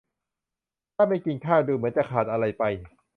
ถ้าไม่กินข้าวดูเหมือนจะขาดอะไรไป